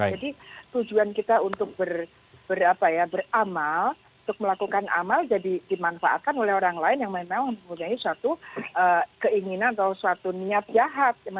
jadi tujuan kita untuk beramal untuk melakukan amal jadi dimanfaatkan oleh orang lain yang memang mempunyai suatu keinginan atau suatu niat jahat